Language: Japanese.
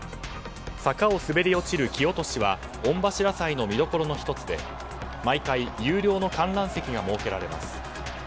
坂を滑り落ちる木落しは御柱祭の見どころの１つで毎回、有料の観覧席が設けられます。